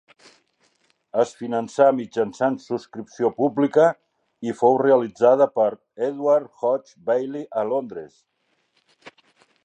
Es finançà mitjançant subscripció pública i fou realitzada per Edward Hodges Baily a Londres.